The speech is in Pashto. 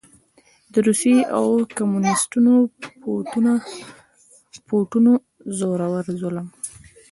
د روسي او کميونسټو قوتونو زور ظلم